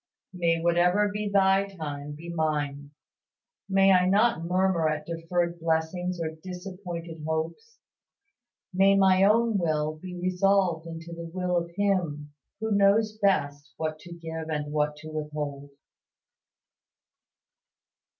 May whatever be Thy time be mine. May I not murmur at deferred blessings or disappointed hopes. May my own will be resolved into the will of Him who knows best what to give and what to withhold.